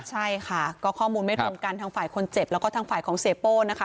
ใช่ค่ะก็ข้อมูลไม่ตรงกันทางฝ่ายคนเจ็บแล้วก็ทางฝ่ายของเสียโป้นะคะ